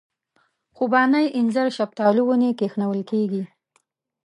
خوبانۍ اینځر شفتالو ونې کښېنول کېږي.